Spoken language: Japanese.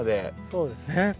そうですね。